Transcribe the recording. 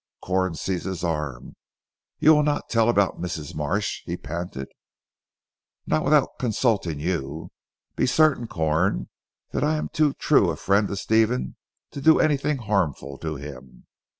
Corn seized his arm. "You will not tell about Mrs. Marsh?" he panted. "Not without consulting you. Be certain Corn that I am too true a friend to Stephen, to do anything harmful to him.